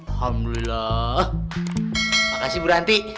alhamdulillah makasih bu ranti